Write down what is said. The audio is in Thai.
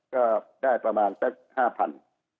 ก็ได้ประมาณแสน๕พัน